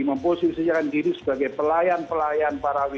memposisikan diri sebagai pelayan pelayan para wni